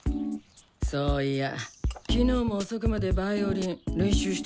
そういや昨日も遅くまでヴァイオリン練習してたみたいだね？